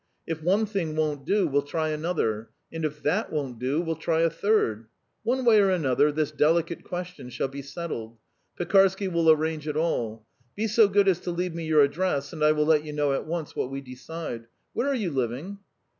If one thing won't do, we'll try another; and if that won't do, we'll try a third one way or another this delicate question shall be settled. Pekarsky will arrange it all. Be so good as to leave me your address and I will let you know at once what we decide. Where are you living?"